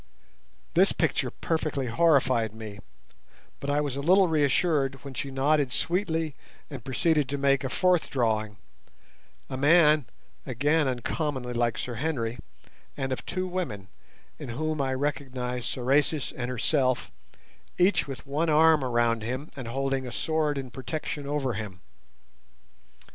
This picture perfectly horrified me, but I was a little reassured when she nodded sweetly and proceeded to make a fourth drawing—a man again uncommonly like Sir Henry, and of two women, in whom I recognized Sorais and herself, each with one arm around him, and holding a sword in protection over him.